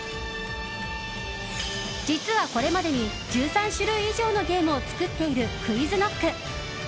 実はこれまでに１３種類以上のゲームを作っているＱｕｉｚＫｎｏｃｋ。